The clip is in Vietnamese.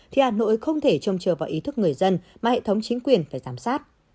thì hà nội không thể trông chờ vào ý thức người dân mà hệ thống chính quyền phải giám sát